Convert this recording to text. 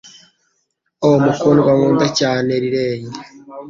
Oh, mukundwa, nkunda cyane, Riley!